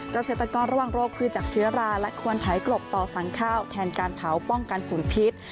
เกษตรกรระวังโรคพืชจากเชื้อราและควรไถกรบต่อสั่งข้าวแทนการเผาป้องกันฝุ่นพิษ